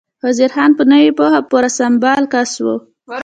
وزیر خان په نوې پوهه پوره سمبال کس و.